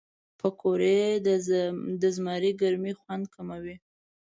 پکورې د زمري د ګرمۍ خوند کموي